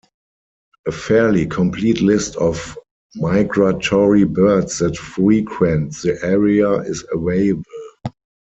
A fairly complete list of migratory birds that frequent the area is available.